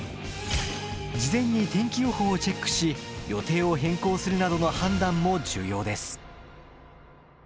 事前に天気予報をチェックし予定を変更するなどの判断も重要です。